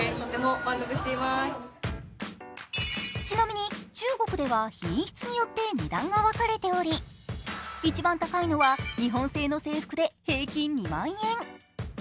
ちなみに中国では品質によって値段が分かれており一番高いのは、日本製の制服で平均２万円。